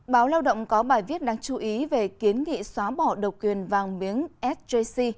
báo lao động có bài viết đáng chú ý về kiến nghị xóa bỏ độc quyền vàng miếng sjc